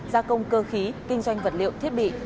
gia công cơ khí kinh doanh vật liệu thiết bị